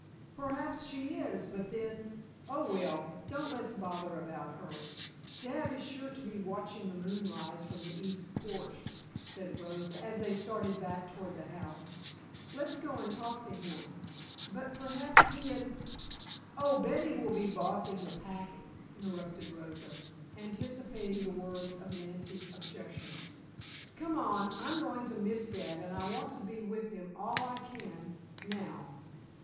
"Perhaps she is, but then oh, well, don't let's bother about her. Dad is sure to be watching the moon rise from the East porch," said Rosa, as they started back toward the house. "Let's go talk to him." "But perhaps he and " "Oh, Betty will be bossing the packing," interrupted Rosa, anticipating the words of Nancy's objections. "Come on. I'm going to miss dad and I want to be with him all I can now."